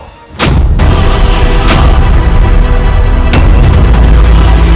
ketabib itu sudah tidak ada